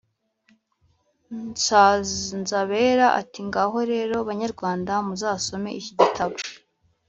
Nsanzabera ati “Ngaho rero Banyarwanda, muzasome iki gitabo